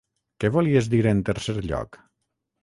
Què volies dir en tercer lloc?